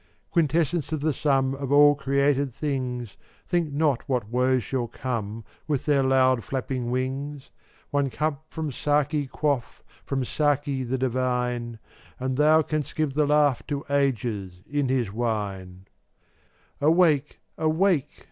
415 Quintessence of the sum Of all created things, Think not what woes shall come With their loud flapping wings. One cup from Saki quaff — From Saki the divine — And thou canst give the laugh To ages, in his wine. 416 Awake, awake!